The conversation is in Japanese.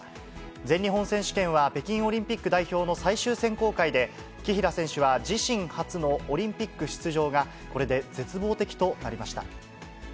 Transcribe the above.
全日本選手権は、北京オリンピック代表の最終選考会で、紀平選手は自身初のオリンピック出場がこれで絶望的となりました。